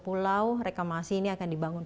pulau reklamasi ini akan dibangun